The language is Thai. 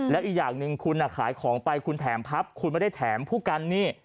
แล้วอีกอย่างหนึ่งคุณขายของไปคุณแถมพับคุณไม่ได้แถมผู้กันนี่